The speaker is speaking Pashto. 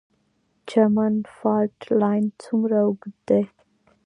چمن فالټ لاین څومره اوږد دی؟